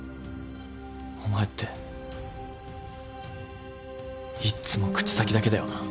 お前っていっつも口先だけだよな。